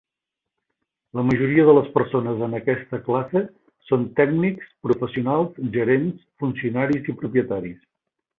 La majoria de les persones en aquesta classe són tècnics, professionals, gerents, funcionaris i propietaris.